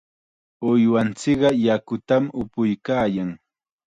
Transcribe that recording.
Uywanchikqa yakutam upuykaayan.